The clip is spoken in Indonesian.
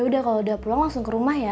udah kalau udah pulang langsung ke rumah ya